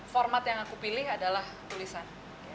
format yang aku pilih adalah tulisan